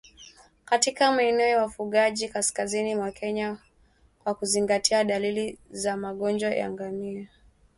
katika maeneo ya wafugaji kaskazini mwa Kenya kwa kuzingatia dalili za Magonjwa ya ngamia